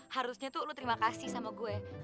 harusnya tuh lu terima kasih sama gue